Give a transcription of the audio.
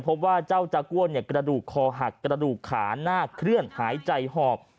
พบว่าเจ้าจาก้วนกระดูกคอหักกระดูกขาหน้าเคลื่อนหายใจหอบ